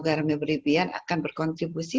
garamnya berlebihan akan berkontribusi